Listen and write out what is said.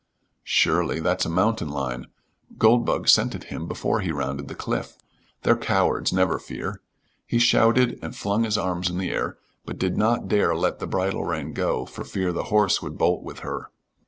"Surely. That's a mountain lion; Goldbug scented him before he rounded the cliff. They're cowards; never fear." He shouted and flung his arm in the air, but did not dare let the bridle rein go for fear the horse would bolt with her.